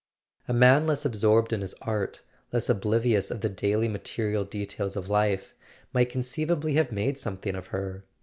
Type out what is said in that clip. A man less absorbed in his art, less oblivious of the daily material details of life, might conceivably have made something of her.